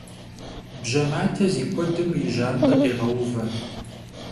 Bje mate zi kuedım yi jant'e dêğeuve.